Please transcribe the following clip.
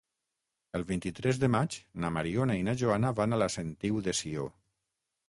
El vint-i-tres de maig na Mariona i na Joana van a la Sentiu de Sió.